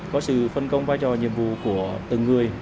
có sự phân công vai trò nhiệm vụ của từng người